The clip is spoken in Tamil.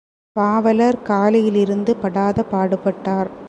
பாவலர் காலையிலிருந்து படாத பாடு பட்டார்.